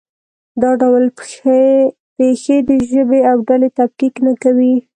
دا ډول پېښې د ژبې او ډلې تفکیک نه کوي.